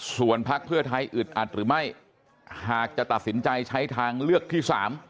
ส่วนพักเพื่อไทยอึดอัดหรือไม่หากจะตัดสินใจใช้ทางเลือกที่๓